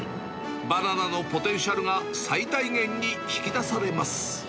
バナナのポテンシャルが最大限に引き出されます。